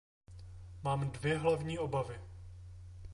Mám dvě hlavní obavy.